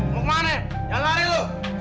mau kemana jangan lari lu